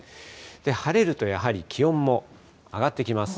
晴れるとやはり気温も上がってきます。